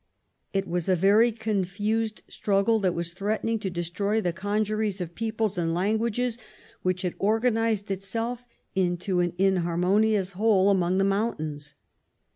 It was a very confused struggle that was threatening to destroy the congeries of peoples and lan guages which had organized itself into an inharmonious whole among the mountains.